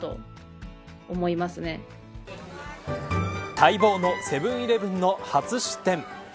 待望のセブン‐イレブンの初出店。